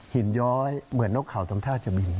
ย้อยเหมือนนกเขาทำท่าจะบิน